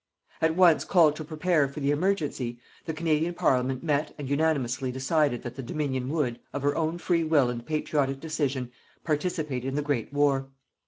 At once called to prepare for the emergency, the Canadian Parliament met and unanimously decided that the Dominion would, of her own free will and patriotic decision, participate in the Great War.